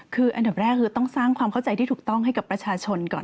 คืออันดับแรกคือต้องสร้างความเข้าใจที่ถูกต้องให้กับประชาชนก่อน